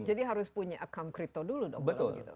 jadi harus punya account kripto dulu dong